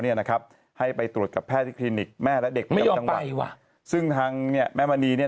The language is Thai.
เนี่ยนะครับให้ไปตรวจกับแพทย์คลินิกแม่และเด็กไม่ยอมไปว่ะซึ่งทางแม่มณีเนี่ย